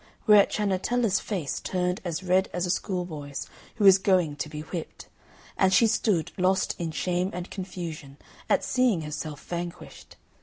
Whereat Ciannetella's face turned as red as a schoolboy's who is going to be whipped, and she stood lost in shame and confusion at seeing herself vanquished.